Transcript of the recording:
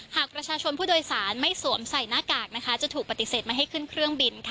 หากประชาชนผู้โดยสารไม่สวมใส่หน้ากากจะถูกปฏิเสธไม่ให้ขึ้นเครื่องบิน